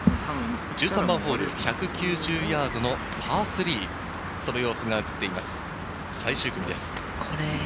１３番ホール、１９０ヤードのパー３、その様子が映っています、最終組です。